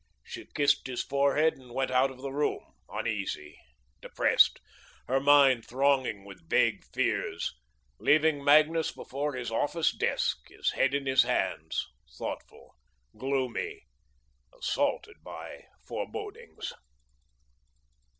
She kissed his forehead and went out of the room, uneasy, depressed, her mind thronging with vague fears, leaving Magnus before his office desk, his head in his hands, thoughtful, gloomy, assaulted by forebodings.